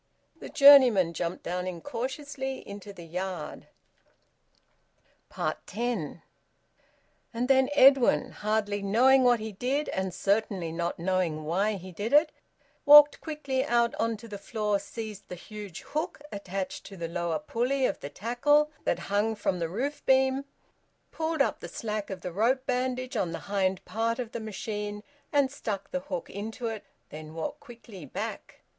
The journeyman jumped down incautiously into the yard. TEN. And then Edwin, hardly knowing what he did, and certainly not knowing why he did it, walked quickly out on to the floor, seized the huge hook attached to the lower pulley of the tackle that hung from the roof beam, pulled up the slack of the rope bandage on the hind part of the machine, and stuck the hook into it, then walked quickly back.